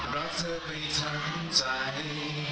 รักเธอไปทั้งใจ